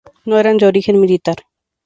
No eran de origen militar.